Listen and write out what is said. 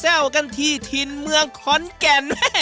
เจ้ากันที่ทินเมืองขอนแก่น